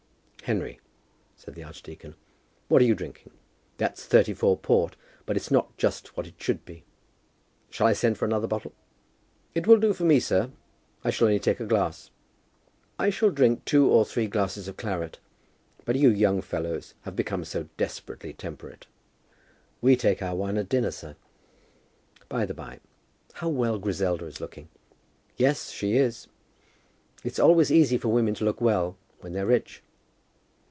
"Henry," said the archdeacon, "what are you drinking? That's '34 port, but it's not just what it should be. Shall I send for another bottle?" "It will do for me, sir. I shall only take a glass." "I shall drink two or three glasses of claret. But you young fellows have become so desperately temperate." "We take our wine at dinner, sir." "By the by, how well Griselda is looking." "Yes, she is. It's always easy for women to look well when they're rich."